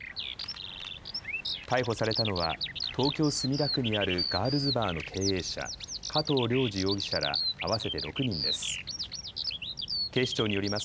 逮捕されたのは東京墨田区にあるガールズバーの経営者、加藤亮二容疑者ら合わせて６人です。